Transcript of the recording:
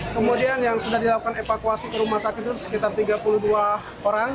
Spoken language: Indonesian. kemudian yang sudah dilakukan evakuasi ke rumah sakit itu sekitar tiga puluh dua orang